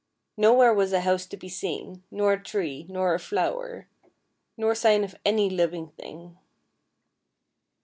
Nowhere was a house to be seen, nor a tree, nor a flower, nor sign of any living thing.